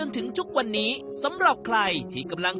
การที่บูชาเทพสามองค์มันทำให้ร้านประสบความสำเร็จ